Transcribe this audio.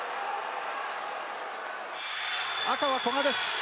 赤は古賀です。